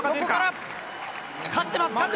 勝ってます。